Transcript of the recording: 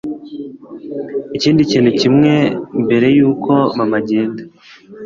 ikindi kintu kimwe mbere yuko mama agenda